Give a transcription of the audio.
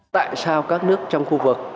tại sao các nước trong khu vực